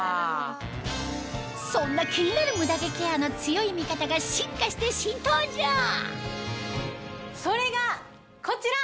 そんな気になるムダ毛ケアの強い味方が進化して新登場それがこちら！